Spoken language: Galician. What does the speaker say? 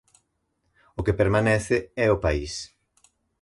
O que permanece é o país.